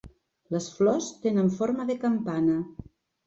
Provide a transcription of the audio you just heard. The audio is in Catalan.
Les flors tenen forma de campana.